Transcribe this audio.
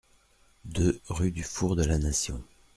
deux rue du Four de la Nation